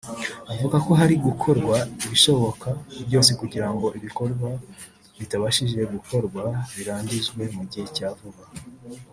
avuga ko hari gukorwa ibishoboka byose kugira ngo ibikorwa bitabashije gukorwa birangizwe mu gihe cya vuba